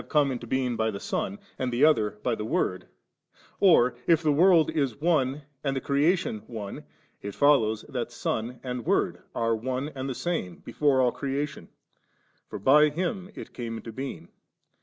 come into being by the Son and the other by the Word, or, if the world is one and the crea tion one, it follows that Son and Word are one and the same before all creation, for by Him it came into being.